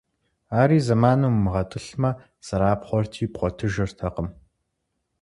Ари и зэманым умыгъэтӀылъмэ, зэрапхъуэрти бгъуэтыжыртэкъым.